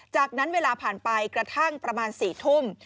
จากนั้นเวลาผ่านไปกระทั่งประมาณ๔ทุ่ม